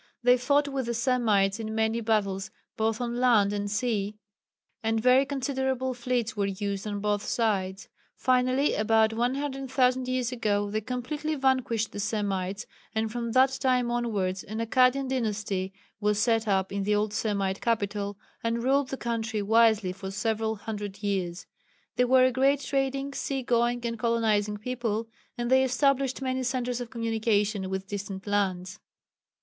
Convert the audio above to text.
They fought with the Semites in many battles both on land and sea, and very considerable fleets were used on both sides. Finally about 100,000 years ago they completely vanquished the Semites, and from that time onwards an Akkadian dynasty was set up in the old Semite capital, and ruled the country wisely for several hundred years. They were a great trading, sea going, and colonizing people, and they established many centres of communication with distant lands.